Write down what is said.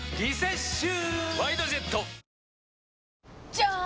じゃーん！